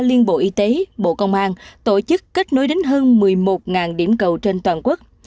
liên bộ y tế bộ công an tổ chức kết nối đến hơn một mươi một điểm cầu trên toàn quốc